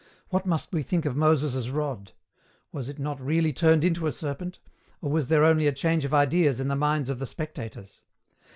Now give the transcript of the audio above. What must we think of Moses' rod? was it not really turned into a serpent; or was there only a change of ideas in the minds of the spectators?